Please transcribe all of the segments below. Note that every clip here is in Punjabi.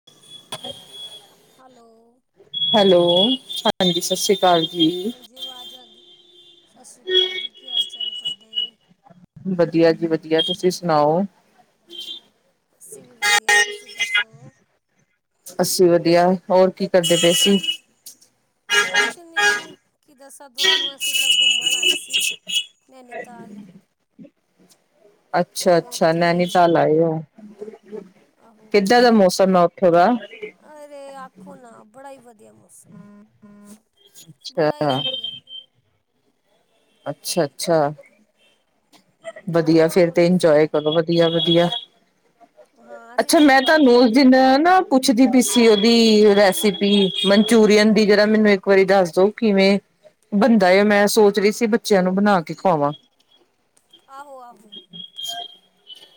[inaudible] ਹੈਲੋ ਹੈਲੋ ਹਾਂਜੀ ਸਤਿ ਸ਼੍ਰੀ ਘਰ ਜੀ ਹਾਂਜੀ ਆਵਾਜ਼ ਆਉਦੀ ਸਤਿ ਸ਼੍ਰੀ ਅਕਾਲ ਜੀ ਕੀ ਹਾਲ ਚਾਲ ਤੁਹਾਡੇ ਵਧੀਆ ਜੀ ਵਧੀਆ, ਤੁਸੀਂ ਸੁਣਾਓ ਅਸੀਂ ਵੀ ਵਧੀਆ, ਤੁਸੀਂ ਦੱਸੋ ਅਸੀਂ ਵਧੀਆ, ਹੋਰ ਕੀ ਕਰਦੇ ਪਏ ਸੀ ਕੁਛ ਨੀ, ਕੀ ਦੱਸਾਂ ਤੁਹਾਨੂੰ ਅਸੀਂ ਤਾਂ ਘੁੰਮਣ ਆਏ ਸੀ। ਨੈਨੀਤਾਲ ਅੱਛਾ ਤੇ ਅੱਛਾ, ਉੱਥੇ ਹੀ ਨੈਨੀਤਾਲ ਆਏ ਉਹ ਆਹੋ ਕਿੱਦਾਂ ਦਾ ਮੌਸਮ ਹੈ ਉੱਥੇ ਦਾ ਅਰੇ ਆਖੋ ਨਾ ਬੜਾ ਹੀ ਵਧੀਆ ਮੌਸਮ ਅੱਛਾ, ਬੜਾ ਹੀ ਵਧੀਆ ਅੱਛਾ-ਅੱਛਾ ਵਧੀਆ ਫਿਰ ਹੋਰ ਤੇ ਦੱਸੋ? ਇੰਜੋਏ ਕਰੋ ਵਧੀਆ-ਵਧੀਆ ਹਾਂ ਅਸੀਂ ਅੱਛਾ ਤਾਂ ਮੈਂ ਇੰਜੋਏ ਤੁਹਾਨੂੰ ਉਸ ਕਰਦੇ ਦਿਨ ਪਏ। ਨਾ ਪੁੱਛਦੀ ਪਈ ਸੀ ਉਹਦੀ ਰੈਸਿਪੀ ਮਨਚੂਰੀਅਨ ਦੀ ਜਿਹੜਾ ਮੈਨੂੰ ਇੱਕ ਵਾਰੀ ਦੱਸ ਦੋ ਕਿਵੇਂ ਬੰਦਾ ਮੈਂ ਸੋਚ ਰਹੀ ਸੀ ਬੱਚਿਆਂ ਨੂੰ ਬਣਾ ਕੇ ਖਵਾਵਾਂ ਆਹੋ-ਆਹੋ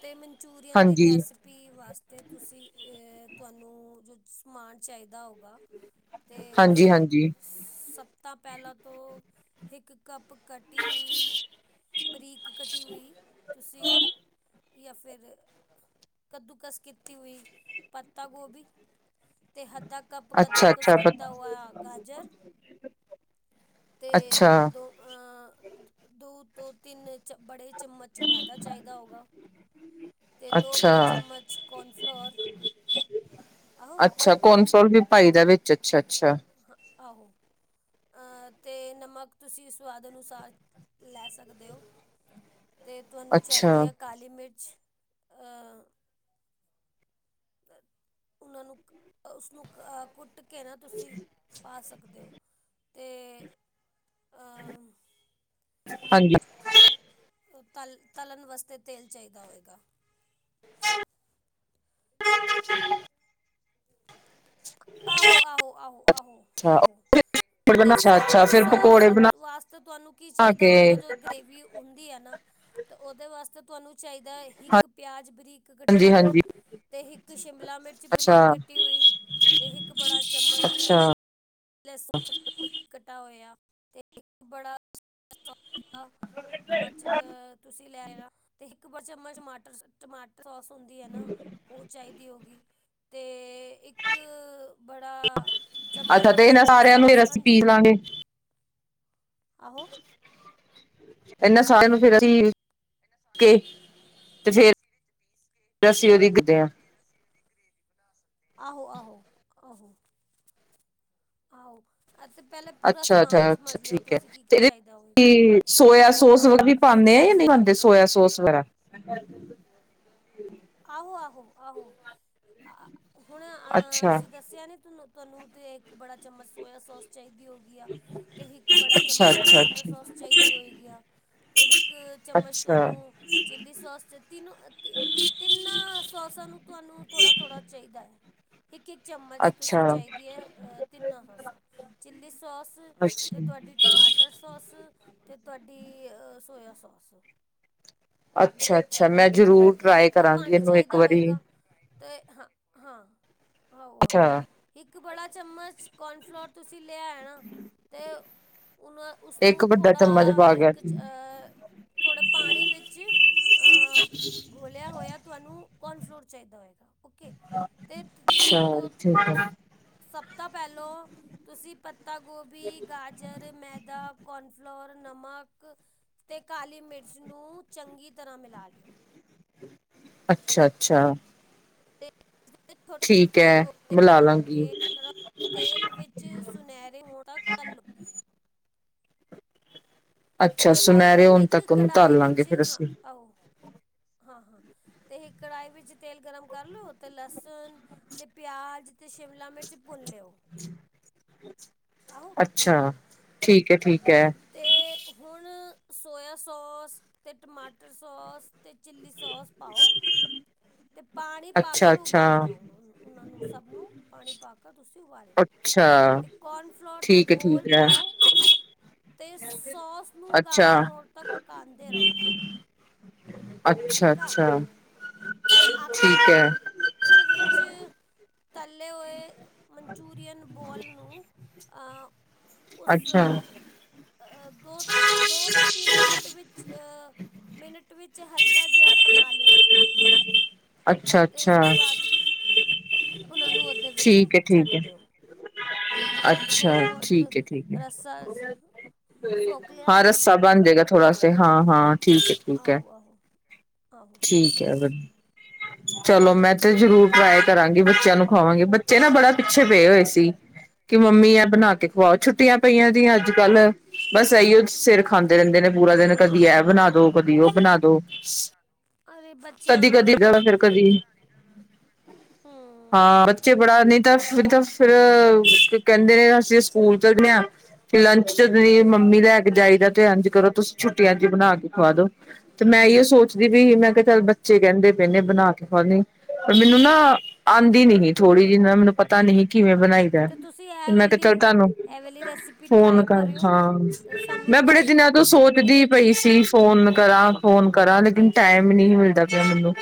ਤੇ ਮਨਚੂਰੀਅਨ ਦੀ ਹਾਂਜੀ, ਰੈਸਿਪ ਪੀ ਵਾਸਤੇ ਤੁਸੀਂ ਅ ਤੁਹਾਨੂੰ ਜੋ ਸਮਾਨ ਚਾਹੀਦਾ ਹੋਗਾ ਤੇ ਹਾਂਜੀ-ਹਾਂਜੀ, ਸਭ ਤੋਂ ਪਹਿਲਾਂ ਤੋਂ ਇੱਕ ਕੱਪ ਕਟੀ ਹੋਈ ਬਰੀਕ ਘਟੀ ਹੋਈ ਤੁਸੀਂ ਜਾਂ ਫਿਰ ਕੱਦੂਕਸ ਕੀਤੀ ਹੋਈ ਪੱਤਾ ਗੋਭੀ ਤੇ ਹੱਦਾਂ ਕੱਪ ਕਦਕਸ ਅੱਛਾ-ਅੱਛਾ ਕੀਤਾ ਹੋਇਆ ਗਾਜਰ ਤੇ ਅੱਛਾ, ਦੋ ਅਹ ਦੋ ਤਿੰਨ ਬੜੇ ਚਮਚ ਮੈਦਾ ਚਾਹੀਦਾ ਹੋਗਾ ਅਤੇ ਦੋ ਅੱਛਾ, ਬੜੇ ਚਮਚ ਕਨਫਲੋਰ ਆਹੋ ਅੱਛਾ ਕੌਨਸੋਰ ਵੀ ਭਾਈ ਦਾ ਵਿੱਚ ਅੱਛਾ-ਅੱਛਾ ਹ ਆਹੋ ਤੇ ਨਮਕ ਤੁਸੀਂ ਸਵਾਦ ਅਨੁਸਾਰ ਲੈ ਸਕਦੇ ਹੋ ਅਤੇ ਤੁਹਾਨੂੰ ਅੱਛਾ, ਚਾਹੀਦੀ ਹੈ ਕਾਲੀ ਮਿਰਚ ਉਹਨਾਂ ਨੂੰ ਉਸਨੂੰ ਅ ਕੁੱਟ ਘੇ ਨਾ ਤੁਸੀਂ ਪਾ ਸਕਦੇ ਹੋ ਅਤੇ ਹਾਂਜੀ ਤਲ ਤਲਣ ਵਾਸਤੇ ਤੇਲ ਚਾਹੀਦਾ ਹੋਏਗਾ [inaudible] ਅੱਛਾ, ਆਹੋ-ਆਹੋ-ਆਹੋ-ਆਹੋ-ਆਹੋ ਤੇ ਅੱਛਾ, ਸਾ ਅੱਛਾ ਫਿਰ ਸੋਸ ਪਕੌੜੇ ਬਣਾ ਵਾਸਤੇ ਤੁਹਾਨੂੰ ਕੀ ਚਾਹੀਦਾ ਕੇ ਹੋਵੇਗਾ ਜੋ ਗਰੇਵੀ ਹੁੰਦੀ ਆ ਨਾ ਤੇ ਉਹਦੇ ਵਾਸਤੇ ਤੁਹਾਨੂੰ ਚਾਹੀਦਾ ਇੱਕ ਪਿਆਜ਼ ਬਰੀਕ ਕੱਟੀ ਹਾਂਜੀ, ਹੋਈ ਹਾਂਜੀ ਤੇ ਇੱਕ ਸ਼ਿਮਲਾ ਮਿਰਚ ਅੱਛਾ, ਬਰੀਕ ਕੱਟੀ ਹੋਈ ਇੱਕ ਬੜਾ ਚਮਚ ਅੱਛਾ। ਲੈਸ ਕੱਟਾ ਹੋਇਆ ਤੇ ਇਕ ਬੜਾ [inaudible] ਚਮਚ ਅ--ਤੁਸੀਂ ਲੈ ਆ ਤੇ ਇੱਕ ਵੱਡਾ ਚਮਚ ਟਮਾਟਰ ਸੋਸ ਹੁੰਦੀ ਹੈ, ਨਾ ਉਹ ਚਾਹੀਦੀ ਹੋ ਗਈ। ਤੇ ਇੱਕ ਬੜਾ ਚਮਚ ਅੱਛਾ ਤੇ ਇਹਨਾਂ ਚਿੱਲੀ ਸਾਰਿਆਂ ਨੂੰ ਫਿਰ ਸੋਸ ਅਸੀਂ ਹਾਂਜੀ। ਪੀਸ ਲਾਂਗੇ ਆਹੋ ਇਹਨਾਂ ਸਾਰਿਆਂ ਨੂੰ ਫਿਰ--ਅਸੀਂ ਕੇ ਤੇ ਫੇਰ ਅਸੀਂ ਉਹਦੀਦੇ ਹਾਂ। ਆਹੋ, ਆਹੋ, ਆਹੋ। ਆਹੋ, ਅਸੀਂ ਪਹਿਲਾਂ ਪੂਰਾ ਅੱਛਾ, ਸਮਾਨ ਅੱਛਾ, ਅੱਛਾ ਸਮਝ ਲਿਓ। ਠੀਕ ਹੈ ਤੁਸੀਂ ਕੀ, ਤੇ ਕੀ ਇਹਦੇ ਚਾਹੀਦਾ ਹੋਵੇਗਾ। ਸੋਇਆ ਸੋਸ ਵੀ ਪਾਉਦੇ ਆ ਜਾਂ ਨਹੀਂ ਪਾਦੇ ਸੋਯ ਸੋਸ ਵਗੈਰਾ ਆਹੋ-ਆਹੋ-ਆਹੋ ਹੁਣ ਅ, ਅੱਛਾ ਅਸੀਂ ਦੱਸਿਆ ਨੀ ਤੁੂੰ ਤੁਹਾਨੂੰ ਤੇ ਇੱਕ ਬੜਾ ਚਮਚ ਸੋਇਆ ਸੋਸ ਚਾਹੀਦੀ ਹੋਗੀ ਤੇ ਇੱਕ ਬੜਾ ਅੱਛਾ, ਚਮਚ ਅੱਛਾ, ਟਮਾਟਰ ਸੋਸ ਅੱਛਾ, ਚਾਹੀਦੀ ਹੋਏ ਗਿਆ ਤੇ ਇੱਕ ਚਮਚ ਅੱਛਾ, ਤੁਹਾਨੂੰ ਚਿੱਲੀ ਸੌਸ ਦੇ ਤਿੰਨੋਂ ਅਤੇ ਤਿੰਨ ਸੋਸਾਂ ਨੂੰ ਤੁਹਾਨੂੰ ਥੋੜਾ-ਥੋੜਾ ਚਾਹੀਦਾ ਹੈ। ਇੱਕ-ਇੱਕ ਚਮਚ ਤੁਸੀਂ ਅੱਛਾ, ਚਾਹੀਦੀ ਹੈ ਤਿੰਨੋ ਸੌ- ਸੌ ਚਿੱਲੀ ਸੌਸ ਤੇ ਅੱਛਾ ਤੁਹਾਡੀ ਟਮਾਟਰ ਸੋਸ ਤੇ ਤੁਹਾਡੀ ਸੋਇਆ ਸੋਸ। ਅੱਛਾ, ਅੱਛਾ। ਮੈਂ ਜ਼ਰੂਰ ਤੇ ਟਰਾਈ ਹਿੱਕਾ ਕਰਾਂਗੀ ਪਾਣੀ ਇਹਨੂੰ ਇੱਕ ਚਾਹੀਦਾ ਵਾਰੀ। ਹੋਏਗਾ ਤੇ ਹਾਂ, ਹਾਂ, ਆਹੋ ਹ ਅੱਛਾ ਇੱਕ ਬੜਾ ਚਮਚ ਕੋਨਫਲੋਰ ਤੁਸੀਂ ਲੈ ਆਣਾ ਅਤੇ ਉਹਨ ਇੱਕ ਉਸਨੂੰ ਵੱਡਾ ਚਮਚ ਥੋੜ੍ਹਾ ਪਾ ਗਿਆ ਇੱਕ ਸੀ। ਥੋੜ੍ਹੇ ਪਾਣੀ ਵਿੱਚ ਅ ਘੋਲ੍ਹਿਆ ਹੋਇਆ ਤੁਹਾਨੂੰ ਕੌਨ ਫਲੋਰ ਚਾਹੀਦਾ ਹੋਏਗਾ ਓਕੇ ਅਤੇ ਤ ਅੱਛਾ ਠੀਕ ਹੈ ਸਭ ਤੋਂ ਪਹਿਲੋਂ ਤੁਸੀਂ ਪੱਤਾ ਗੋਭੀ, ਗਾਜਰ, ਮੈਦਾ ਕੋਨਫਲੋਰ ਨਮਕ ਅਤੇ ਕਾਲੀ ਮਿਰਚ ਨੂੰ ਚੰਗੀ ਤਰ੍ਹਾਂ ਮਿਲਾ ਲਿਓ। ਅੱਛਾ, ਅੱਛਾ। ਥੋੜੇ-ਥੋੜੇ ਠੀਕ ਛੋਟੇ ਹੈ ਗੋਲੇ ਮਿਲਾ ਬਣਾ ਲਾਂਗੀ ਕੇ। ਤੇਲ‌ ਵਿੱਚ ਸੁਨਹਿਰੇ ਹੋ ਤ ਤਲੋ ਅੱਛਾ ਤੇ ਫਿਰ ਸੁਨਹਿਰੇ ਹੁਣ ਇੱਕ ਤੱਕ ਉਹਨੂੰ ਕੜਾਹੀ ਤਲ ਲਾਂਗੇ ਵਿੱਚ ਫਿਰ ਹ ਅਸੀਂ ਆਓ। ਹਾਂ, ਹਾਂ ਅਤੇ ਇਹ ਕੜਾਹੀ ਵਿੱਚ ਤੇਲ ਗਰਮ ਕਰ ਲਉ ਅਤੇ ਲਸਣ ਤੇ ਪਿਆਜ ਤੇ ਸ਼ਿਮਲਾ- ਮਿਰਚ ਭੁੰਨ ਲਿਓ। ਆਹੋ ਅੱਛਾ। ਠੀਕ ਹੈ, ਠੀਕ ਹੈ। ਤੇ ਹੁਣ ਸੋਇਆ ਸੋਸ ਅਤੇ ਟਮਾਟਰ ਸੌਸ ਅਤੇ ਚਿੱਲੀ ਸੌਸ ਪਾਓ। ਤੇ ਪਾਣੀ, ਅੱਛਾ ਪਾਕਰ ਅੱਛਾ ਉਬਾਲਿਓ। ਹੁਣ ਉਹਨਾਂ ਨੂੰ ਸਭ ਨੂੰ ਪਾਣੀ ਪਾ ਕੇ, ਤੁਸੀਂ ਉਬਾਲਿਓ। ਅੱਛਾ ਤੇ ਕੋਨਫਲੋਰ ਦਾ ਠੀਕ ਹੈ ਘੋਲ ਠੀਕ ਹੈ ਪਾਓ। ਤੇ ਸੌਸ ਨੂੰ, ਅੱਛਾ ਗਾੜਾ ਹੋਣ ਤਕ ਪਕਾਉਂਦੇ ਰਹੋ। ਠੀਕ ਆ ਅੱਛਾ-ਅੱਛਾ। ਤੇ ਆਖਿਰ, ਅਖਿਰ ਵਿੱਚ ਤੱਲੇ ਹੋਏ। ਮਨਚੂਰੀਅਨ ਬੋਲ ਨੂੰ। ਅ ਉਸ ਅੱਛਾ ਅ ਦੋ, ਦੋ, ਤੇ ਤਿੰਨ ਮਿੰਟ ਵਿੱਚ ਮਿੰਟ ਵਿੱਚ ਹਲਕਾ ਜਿਹਾ ਪਕਾ ਲਿਓ। ਅੱਛਾ, ਤੇ ਅੱਛਾ। ਉਸਕੇ ਬਾਅਦ ਉਹਨਾਂ ਨੂੰ ਅੱਧੇ ਵਿੱਚ ਛੱਡ ਦਿਓ। ਹ ਉਹ ਅੱਛਾ ਥੋੜ੍ਹਾ ਬਹੁਤ ਠੀਕ ਐ-ਠੀਕ ਰੱਸਾ ਐ ਸੋਕ ਹਾਂ ਲਿਆਂਗੀ ਰੱਸਾ ਬਣ ਜੇਗਾ। ਥੋੜਾ ਸੇ ਹਾਂ-ਹਾਂ, ਠੀਕ ਐ-ਠੀਕ ਐ। ਆਹੋ ਆਹੋ ਆਹੋ ਠੀਕ ਐ ਗੱਲ। ਚਲੋ ਮੈਂ ਤੇ ਜ਼ਰੂਰ ਟਰਾਏ ਕਰਾਂਗੀ, ਬੱਚਿਆਂ ਨੂੰ ਖਵਾਵਾਗੀ, ਬੱਚੇ ਨਾ ਬੜਾ ਪਿੱਛੇ ਪਏ ਹੋਏ ਸੀ। ਕਿ ਮੰਮੀ ਏ ਬਣਾ ਕੇ ਖਵਾਓ ਛੁੱਟੀਆਂ ਪਈਆਂ ਜੀ ਅੱਜ-ਕੱਲ। ਬਸ ਇਹੀਓ ਸਿਰ ਖਾਂਦੇ ਰਹਿੰਦੇ ਨੇ ਪੂਰਾ ਦਿਨ ਕਦੀ ਏਹ ਬਣਾ ਦੋ, ਕਦੀ ਓ ਬਣਾ ਦੋ। ਅਰੇ ਬੱਚਿਆਂ ਕਦੀ-ਕਦੀ ਨਾਲ ਜਾਣਾ ਫਿਰ ਕਦੀ। ਹੂੰ ਹਾਂ, ਬੱਚੇ ਬੜਾ ਨਈਂ ਤਾਂ-ਨਈਂ ਤਾਂ, ਫੇਰ ਕਹਿੰਦੇ ਨੇ ਨਾ ਅਸੀਂ ਸਕੂਲ ਚਲੇ ਆ। ਫੇਰ ਲੰਚ ਚ ਜਾਈਏ, ਮੰਮੀ ਲੈ ਕੇ ਜਾਈਦਾ, ਤੇ ਇੰਝ ਕਰੋ, ਤੁਸੀਂ ਛੁੱਟੀਆਂ ਚ, ਬਣਾ ਕੇ ਖਵਾ ਦੋ। ਤੇ ਮੈਂ ਇਹ ਸੋਚਦੀ ਵੀ, ਮੈਂ ਕਿਹਾ ਚੱਲ, ਬੱਚੇ ਕਹਿੰਦੇ ਪਏ ਨੇ, ਬਣਾ ਕੇ ਖਵਾਦੇ, ਪਰ ਮੈਨੂੰ ਨਾ ਆਂਦੀ ਨੀ ਗੀ। ਥੋੜੀ ਜੀ ਨਾ ਮੈਨੂੰ ਪਤਾ ਨਹੀਂ ਕਿਵੇਂ ਬਣਾਈਦਾ। ਤੁਸੀਂ ਇਹ ਮੈਂ ਕਿਹਾ ਵਾਲੀ ਚਲ ਤੁਹਾਨੂੰ। ਇਹ ਵਾਲੀ ਰੈਸਿਪੀ ਫੋਨ ਟਰਾਈ ਕਰ ਕਰਿਓ ਹਾਂ, ਤੇ ਮੈਂ ਸਾਨੂੰ ਬੜੇ ਦੱਸੋ ਦਿਨਾਂ ਤੋਂ ਮੈਂ ਸੋਚਦੀ ਪਈ ਸੀ। ਫੋਨ ਕਰਾਂ, ਫੋਨ ਕਰਾਂ, ਲੇਕਿਨ ਟਾਈਮ ਨਹੀਂ ਮਿਲਦਾ ਪਿਆ ਮੈਨੂੰ।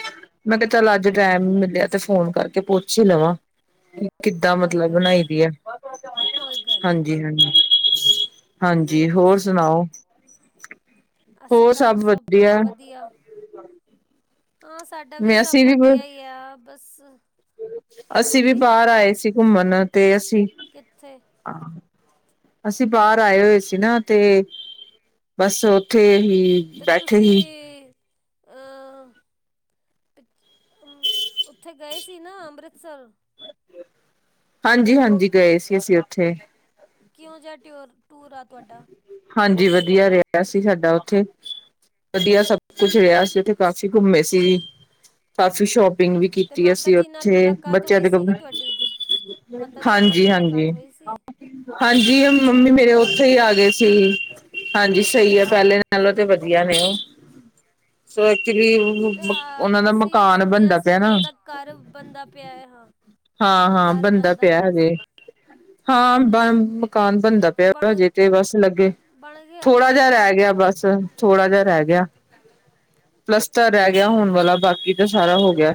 ਮੈਂ ਕਿਹਾ ਚੱਲ, ਅੱਜ ਟਾਈਮ ਮਿਲਿਆ ਤੇ, ਫੋਨ ਕਰਕੇ ਪੁੱਛ ਹੀ ਲਵਾਂ। ਉਹ ਕਿੱਦਾਂ ਕੋਈ ਮਤਲਬ, ਗੱਲ ਨਹੀਂ ਬਣਾਈ ਦੀ ਆ। ਉਹ ਕੋਈ ਗੱਲ ਨਹੀਂ ਹਾਂਜੀ, ਹਾਂਜੀ। ਹਾਂਜੀ। ਹੋਰ ਸੁਣਾਓ? ਅਸੀਂ ਹੋਰ ਤਾਂ, ਸਭ ਤੋ ਵਧੀਆ ਵਧੀਆ। ਹਾਂ, ਸਾਡਾ ਵੀ ਮੈਂ ਸਭ, ਅਸੀਂ ਵੀ ਵਧੀਆ ਹੀ ਆ। ਬਸ ਅਸੀਂ ਵੀ, ਹਾਂਜੀ ਬਾਹਰ ਆਏ ਸੀ। ਘੁੰਮਣ, ਤੇ ਅਸੀਂ। ਕਿੱਥੇ ਅ, ਅਸੀਂ ਬਾਹਰ, ਆਏ ਹੋਏ ਸੀ। ਨਾ ਤੇ। ਬਸ, ਉੱਥੇ ਹੀ। ਤੇ, ਬੈਠੇ ਤੁਸੀਂ ਹੀ ਅਹ, ਅ ਉੱਥੇ ਗਏ ਸੀ, ਨਾ ਅੰਮ੍ਰਿਤਸਰ। ਹਾਂਜੀ-ਹਾਂਜੀ, ਗਏ ਸੀ, ਅਸੀਂ ਉੱਥੇ। ਕਿਹੋ ਜਿਹਾ, ਟਿਓਰ, ਟੂਰ ਆ ਤੁਹਾਡਾ? ਹਾਂਜੀ, ਵਧੀਆ ਰਿਹਾ ਸੀ। ਸਾਡਾ ਉੱਥੇ, ਵਧੀਆ ਸਭ। ਕੁਝ ਰਿਆਸ ਜਿੱਥੇ, ਕਾਫ਼ੀ ਘੁੰਮੇ ਸੀ। ਕਾਫੀ ਸ਼ੋਪਿੰਗ ਵੀ, ਤੇ ਕੀਤੀ ਮਾਤਾ ਅਸੀਂ ਜੀ ਨਾਲ ਉੱਥੇ, ਮੁਲਾਕਾਤ ਬੱਚਿਆਂ ਹੋਈ ਦੇ ਸੀਗੀ ਤੁਹਾਡੀ ਮਾਤਾ ਜੀ ਨਾਲ ਮੁਲਾਕਾਤ ਹਾਂਜੀ-ਹਾਂਜੀ, ਹੋਈ ਸੀ ਹਾਂਜੀ ਕਿਉਂ ਜੀ ਮੰਮੀ ਉਹਨਾਂ ਦੀ ਮੇਰੇ ਉੱਥੇ ਈ, ਤਬੀਅਤ ਆ ਗਏ ਸੀ ਜੀ, ਹਾਂਜੀ, ਸਹੀ ਆ। ਪਹਿਲੇ ਨਾਲੋਂ ਤੇ, ਵਧੀਆ ਨੇ ਓ। ਸੋ ਐਕਚੁਲੀ ਤੇ ਮ, ਉਹਨਾ ਦਾ ਅਸੀਂ ਮਕਾਨ, ਸੁਣਿਆ ਬਣਦਾ ਸੀ ਪਿਆ ਉਹਨਾਂ ਨਾ। ਦਾ ਘਰ ਬਣਦਾ, ਪਿਆ ਏ ਹਾਂ। ਹਾਂ-ਹਾਂ, ਘਰ ਬੰਦਾ ਬਣਦਾ ਪਿਆ ਹਜੇ, ਸੀ ਹਾਂ ਬਣ ਮਕਾਨ ਬਣਦਾ ਤੇ ਪਿਆ ਬਣ ਵਾ। ਹਜੇ ਤੇ ਬਸ ਲੱਗੇ। ਬਣ ਗਿਆ ਥੋੜਾ ਬਣ ਜਿਹਾ ਰਹਿ ਗਿਆ, ਬਸ ਥੋੜਾ ਜਿਹਾ ਰਹਿ ਗਿਆ। ਪਲੱਸਤਰ ਰਹਿ ਉਹ ਗਿਆ। ਹੋਣ ਬਸ ਵਾਲਾ, ਬਾਕੀ ਤਾਂ ਸਾਰਾ ਹੋ ਗਿਆ।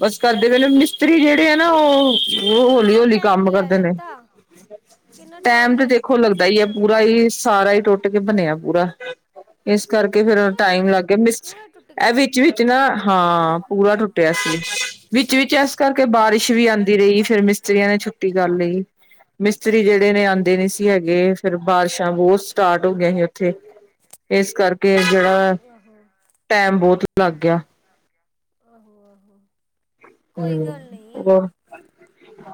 ਬਸ ਕਰਦੇ, ਪਏ ਨੇ ਮਿਸ ਤਰੀ ਜਿਹੜੇ ਆ ਨਾ ਉਹ, ਤੇ ਕਿੰਨਾ ਹੌਲੀ-ਹੌਲੀ ਟਾਈਮ ਕੰਮ ਲੈ ਕਰਦੇ ਨੇ। ਲਿੱਤਾ ਕਿੰਨਾ ਟਾਈਮ ਟੈਮ ਤੇ ਲੈ ਲਿੱਤਾ ਦੇਖੋ ਲੱਗਦਾ ਈ ਐ। ਮਿਸਤਰੀਆਂ ਨਾਲ ਪੂਰਾ ਈ, ਸਾਰਾ ਈ ਟੁੱਟ, ਕੇ ਬਣਿਆ ਪੂਰਾ। ਇਸ ਕਰਕੇ ਫੇਰ, ਪੂਰਾ ਟਾਈਮ ਟੁੱਟ ਲੱਗ ਗਿਆ। ਮਿਸਤਰੀ, ਪੂਰਾ ਟੁੱਟ ਇਹ ਗਿਆ ਵਿੱਚ ਵੀ ਨਾ ਹਾਂ, ਪੂਰਾ ਟੁੱਟਿਆ ਸੀ, ਵਿੱਚ-ਵਿਚ ਐ ਇਸ ਕਰਕੇ ਬਾਰਿਸ਼ ਵੀ ਆਉਂਦੀ ਰਹੀ ਫੇਰ ਮਿਸਤਰੀਆਂ ਨੇ ਛੁੱਟੀ ਕਰ ਲਈ। ਮਿਸਤਰੀ ਜਿਹੜੇ ਨੇ ਆਉਂਦੇ ਨੀ ਸੀ ਹੈਗੇ ਫੇਰ ਬਾਰਿਸ਼ਾਂ ਬਹੁਤ ਸਟਾਰਟ ਹੋ ਗਈਆਂ ਸੀ ਉੱਥੇ। ਇਸ ਕਰਕੇ ਜਿਹੜਾ, ਟੈਮ ਬਹੁਤ ਲੱਗ ਗਿਆ। ਆਹੋ-ਆਹੋ। ਹੂੰ, ਹੋਰ?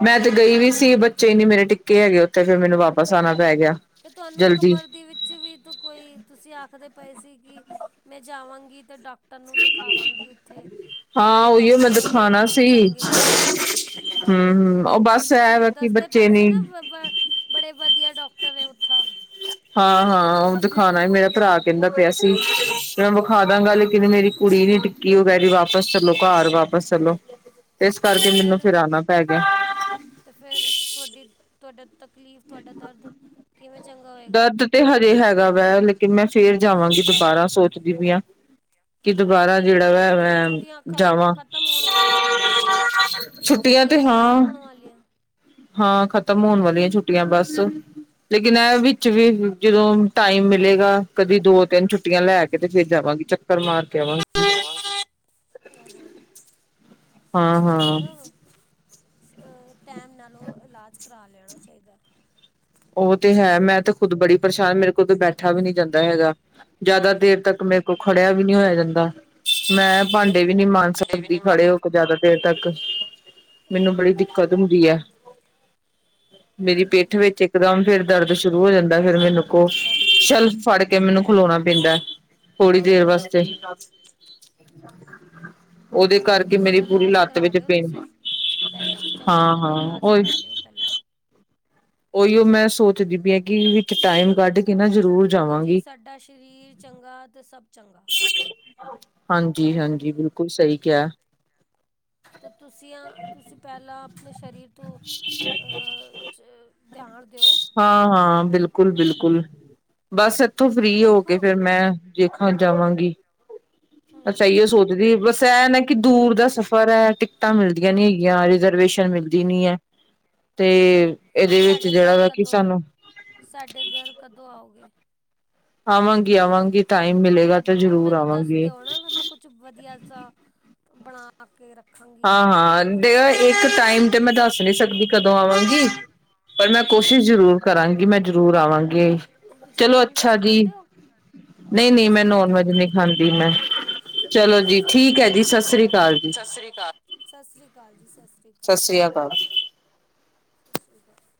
ਮੈਂ ਤੇ, ਗਈ ਵੀ ਸੀ। ਬੱਚੇ ਨੀ, ਮੇਰੇ ਟਿੱਕੇ, ਹੈਗੇ ਉੱਥੇ। ਫੇਰ ਮੈਨੂੰ ਵਾਪ ਬਸ ਆਉਣਾ, ਪੈ ਗਿਆ, ਜਲਦੀ। ਵਿ ਚ ਤੂੰ, ਕੋਈ ਤੁਸੀਂ ਆਖਦੇ, ਪਏ ਸੀ ਕਿ, ਮੈਂ ਜਾਵਾਂਗੀ ਤਾਂ ਡਾਕਟਰ। ਤ ਨੂੰ ਦਿਖਾਵਾਂਗੀ ਉੱਥੇ, ਉੱਧਰ ਹਾਂ ਦੇ ਉਹੀਓ ਮੈਂ ਡਾਕਟਰ ਬੜੇ ਦਿਖਾਣਾ ਸੀ ਚੰਗੇ। ਹੂੰ-ਹੂੰ ਉਹ ਬਸ ਤੁਸੀਂ ਐ ਵਾ ਕਿ ਦੱਸਦੇ, ਪਏ ਬੱਚੇ ਸੀ ਨੀ ਨਾ। ਬੜੇ ਵਧੀਆ, ਡਾਕਟਰ ਹੈ ਉੱਥੋਂ। ਹਾਂ- ਹਾਂ, ਉਹ ਦਿਖਾਉਣਾ। ਮੇਰਾ ਭਰਾ, ਕਹਿੰਦਾ ਪਿਆ ਸੀ। ਮੈਂ ਵਿਖਾ ਦਾ। ਜਿਵੇ ਮੇਰੀ ਕੁੜੀ ਨੀ। ਕਿ ਉਹ, ਕਹਿ ਰਹੀ ਹੈ। ਵਾਪਸ ਚਲੋ, ਘਰ ਵਾਪਸ ਚਲੋ, ਇਸ ਤੇ ਕਰਕੇ ਫਿਰ ਮੈਨੂੰ, ਫੇਰ ਆਣਾ ਪੈ ਗਿਆ। ਫਿਰ ਆਣਾ ਤੇ ਫੇਰ ਤੁਹਾਡੀ ਤੁਹਾਡਾ ਤਕਲੀਫ਼ ਤੁਹਾਡਾ ਦਰਦ ਕਿਵੇਂ ਚੰਗਾ ਹੋਇਆ। ਦਰਦ ਤੇ ਹਜੇ ਹੈਗਾ ਵਾ ਲੇਕਿਨ ਮੈਂ ਫੇਰ ਜਾਵਾਂਗੀ ਦੁਬਾਰਾ ਸੋਚਦੀ ਪਈਆ। ਕਿ ਦੁਬਾਰਾ ਜਿਹੜਾ ਵਾ ਮੈਂ ਛੁੱਟੀਆਂ ਖ ਜਾਵਾਂ। ਖ਼ਤਮ ਹੋਣ ਵਾਲੀਆਂ ਛੁੱਟੀਆਂ ਤੇ ਤਾਂ ਹਾਂ। ਖ਼ਤਮ ਹੋਣ ਵਾਲੀਆਂ ਹਾਂ ਖਤਮ ਹੋਣ ਵਾਲੀਆਂ ਛੁੱਟੀਆਂ ਬਸ। ਲੇਕਿਨ ਇਹ ਵਿੱਚ ਵੀ ਜਦੋਂ ਟਾਈਮ ਮਿਲੇਗਾ ਕਦੀ ਦੋ ਤਿੰਨ ਛੁੱਟੀਆਂ ਲੈ ਕੇ। ਕਿਤੇ ਫੇਰ ਜਾਵਾਂਗੀ ਚੱਕਰ ਮਾਰ ਕੇ ਆਵਾਂ। ਆਹੋ ਤੇ ਤੁਹਾਨੂੰ ਹਾਂ-ਹਾਂ ਨਾ ਅ, ਟਾਈਮ ਨਾਲ ਉਹ ਇਲਾਜ ਕਰਾ ਲੈਣਾ ਚਾਹੀਦਾ। ਉਹ ਤੇ ਹੈ ਮੈਂ ਤੇ ਖੁਦ ਬੜੀ ਪਰੇਸ਼ਾਨ ਮੇਰੇ ਕੋਲ ਤਾਂ ਬੈਠਾ ਵੀ ਨਹੀਂ ਜਾਂਦਾ ਹੈਗਾ, ਜ਼ਿਆਦਾ ਦੇਰ ਤੱਕ ਮੈਂ ਕੋ ਖੜਿਆ ਵੀ ਨੀ ਹੋਇਆ ਜਾਂਦਾ, ਮੈਂ ਭਾਂਡੇ ਵੀ ਨੀ ਮਾਂਜ ਭਾਂਡੇ ਵੀ ਸਕਦੀ ਨੀ ਮਾਂ ਖੜੇ ਹੋ ਜ਼ਿਆਦਾ ਦੇਰ ਤੱਕ। ਮੈਨੂੰ ਆਹੋ, ਬੜੀ ਦਿੱਕਤ ਹੁੰਦੀ ਐ, ਮੇਰੀ ਆਹੋ। ਪਿੱਠ ਵਿੱਚ ਇੱਕ ਇਕਦਮ ਫੇਰ ਦਰਦ ਸ਼ੁਰੂ ਹੋ ਜਾਂਦਾ ਫੇਰ ਮੈਨੂੰ ਕੋ, ਦੱਸੋ, ਸ਼ੈਲਫ ਫੜ ਕੇ ਮੈਨੂੰ ਖਲੋਣਾ ਪੈਂਦਾ। ਥੋੜ੍ਹੀ ਦੇਰ ਵਾਸਤੇ। ਦੱਸੋ। ਉਹਦੇ ਕਰਕੇ ਚੰਗੀ ਨਾਲ ਮੇਰੀ ਉਹ ਪੂਰੀ ਇਲਾਜ ਲੱਤ ਕਰਾ ਵਿੱਚ ਲਿਓ ਪੇਨ ਤੁਸੀਂ। ਪਹਿਲਾਂ ਚੰਗੀ ਹਾਂ ਤਰ੍ਹਾਂ ਹਾਂ ਇਲਾਜ ਉਹੀ ਕਰਾ ਲਿਓ ਪਹਿਲਾਂ। ਉਹੀਓ ਮੈਂ ਸੋਚਦੀ ਪਈ ਹੈ। ਕਿ ਵਿੱਚ ਟਾਈਮ ਕੱਢ ਕੇ ਨਾ। ਜ਼ਰੂਰ ਦੇਖੋ ਜੀ ਜਾਵਾਂਗੀ। ਸਾਡਾ ਸਰੀਰ ਚੰਗਾ ਅਤੇ ਸਭ ਚੰਗਾ। ਹਾਂਜੀ ਆਹੋ। ਹਾਂਜੀ ਬਿਲਕੁਲ ਸਹੀ ਕਿਹਾ। ਤੇ ਤੁਸੀਂਆ ਤੁਸੀਂ ਪਹਿਲਾਂ। ਆਪਣੇ ਸਰੀਰ ਤੋਂ ਧਿਆਨ ਦਿਓ। ਹਾਂ ਹਾਂ ਬਿਲਕੁਲ ਬਿਲਕੁਲ ਬਸ ਇੱਥੋਂ ਫ੍ਰਰੀ ਹੋ ਕੇ ਦੇਖੋ ਫੇਰ ਮੈਂ। ਵੇਖਾਂ ਜਾਵਾਂਗੀ। ਬਸ ਹੂੰ। ਇਹ ਹੀ ਸੋਚਦੀ ਬਸ ਇਹ ਨਾ ਕਿ ਦੂਰ ਦਾ ਸਫ਼ਰ ਹੈ। ਟਿਕਟਾਂ ਮਿਲਦੀਆਂ ਨੀ ਹੈਗੀਆਂ ਰਿਜਰਵੇਸ਼ਨ। ਦੀ ਨਹੀਂ ਹੈ। ਤੇ ਇਹਦੇ ਵਿੱਚ ਸਾਡੇ ਜਿਹੜਾ ਘਰ ਵਾ ਕਿ ਕਦੋਂ ਸਾਨੂੰ। ਸਾਡੇ ਘਰ ਕਦੋਂ ਆਉਗੇ? ਆਵਾਂਗੀ ਆਵਾਂਗੀ ਟਾਈਮ ਮਿਲੇਗਾ ਤੇ ਕਦੋਂ ਜਰੂਰ ਮੈਨੂੰ ਦੱਸ ਆਵਾਂਗੀ। ਦਿਓ ਨਾ ਤਾਂ ਮੈਂ ਕੁਛ ਵਧੀਆ ਜਿਹਾ ਬਣਾ। ਬਣਾ ਕੇ ਰੱਖਾਂਗੇ। ਹਾਂ ਹਾਂ। ਤੇ ਇਹ ਇੱਕ ਟਾਈਮ ਤੇ ਮੈਂ ਦੱਸ ਨੀ ਸਕਦੀ ਕਦੋਂ ਆਵਾਂਗੀ ਪਰ ਮੈਂ ਕੋਸ਼ਿਸ਼ ਜ਼ਰੂਰ। ਕਰਾਂਗੀ ਮੈਂ ਜਰੂਰ ਆਵਾਂਗੀ ਤੁਸੀਂ ਚਲੋ ਨੋਨ ਵੈਜ ਅੱਛਾ ਜੀ। ਖਾਂਦੇ ਹੋ ਨਹੀਂ ਨੋਨ ਨਹੀਂ ਵੈਜ ਮੈਂ ਨੋਨ ਖਾਂਦੇ ਹੋ ਵੈਜ ਨਹੀਂ ਖਾਂਦੀ ਮੈਂ ਚਲੋ ਜੀ ਠੀਕ ਹੈ ਜੀ। ਸਤਿ ਸ੍ਰੀ ਅਕਾਲ ਜੀ। ਸਤਿ ਸ੍ਰੀ ਅਕਾਲ ਸਤਿ ਸ੍ਰੀ ਅਕਾਲ ਜੀ ਸਤਿ। ਸਤਿ ਸ੍ਰੀ ਅਕਾਲ। ਸਤਿ ਸ੍ਰੀ ਆਕਾਲ।